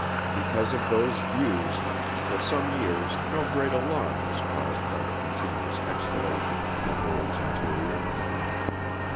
Because of those views, for some years no great alarm was caused by the continuous exhalation from the world's interior.